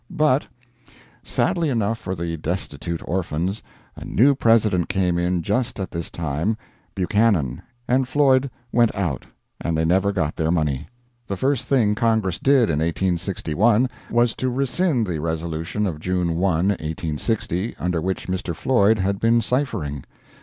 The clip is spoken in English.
But, sadly enough for the destitute orphans, a new President came in just at this time, Buchanan and Floyd went out, and they never got their money. The first thing Congress did in 1861 was to rescind the resolution of June 1, 1860, under which Mr. Floyd had been ciphering.